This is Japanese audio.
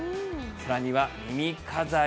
さらには耳飾り。